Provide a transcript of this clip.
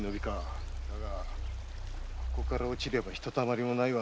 だがここから落ちればひとたまりもないわ。